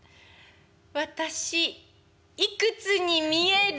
私いくつに見える？」。